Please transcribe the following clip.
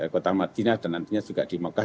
kota madinah dan nantinya juga di mekah